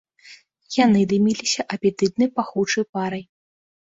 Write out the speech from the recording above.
Яны дыміліся апетытнай пахучай парай.